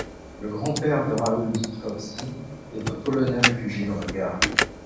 Le grand-père de Raoul Didkowski est un Polonais réfugié dans le Gard.